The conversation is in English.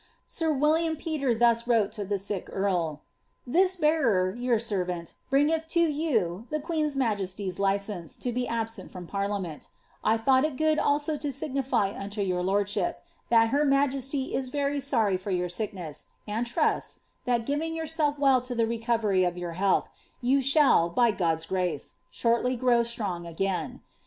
Sir WiUism Petre thae wrote to the sick ean : *^This beafer, your servant, bringeth to you the queen's majesty ^e license to be absent from parliament; 1 thought it goo«1 also to signify unto your lordship, that her majesty is very sorry for your sickness, and trusts, that giving yourself well to the recovery of your health, you shall, by God^s grace, shortly grow strong again.